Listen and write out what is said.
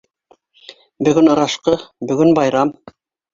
Бөгөн ырашҡы, бөгөн байрам.